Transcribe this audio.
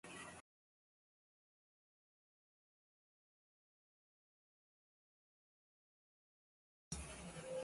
La ingestión de Oleander puede causar efectos gastrointestinales y cardíacos.